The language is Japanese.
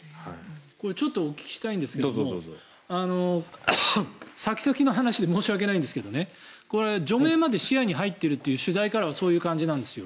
ちょっとお聞きしたいんですが先々の話で申し訳ないんですけどね除名まで視野に入っているという取材からはそういう感じなんですよ。